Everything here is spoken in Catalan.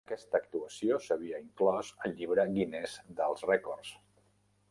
Aquesta actuació s'havia inclòs al llibre Guinness dels rècords.